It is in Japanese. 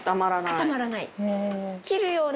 固まらない。